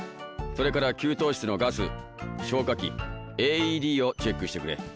それから給湯室のガス消火器ＡＥＤをチェックしてくれ。